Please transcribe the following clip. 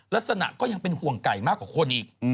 ลักษณะก็ยังเป็นห่วงไก่มากกว่าคนอีก